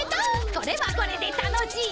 これはこれでたのしいねえ。